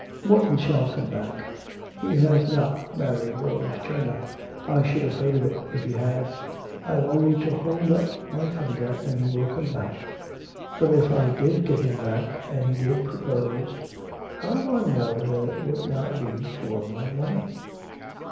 Morton shall come back.... He has not married Rose Turner; I should have heard of it if he had.... I've only to hold up my finger, and he will come back. But if I did get him back, and he did propose, how do I know that it would not be for my money?